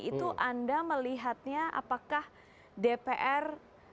itu anda melihatnya apakah dpr